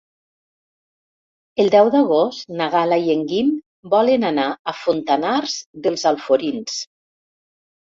El deu d'agost na Gal·la i en Guim volen anar a Fontanars dels Alforins.